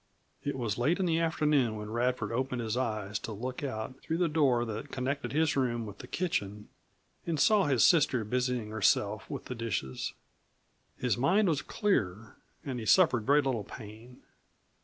It was late in the afternoon when Radford opened his eyes to look out through the door that connected his room with the kitchen and saw his sister busying herself with the dishes. His mind was clear and he suffered very little pain.